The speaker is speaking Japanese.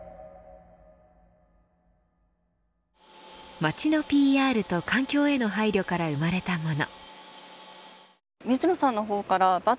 町のＰＲと環境への配慮から生まれたもの。